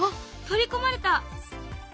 取り込まれた。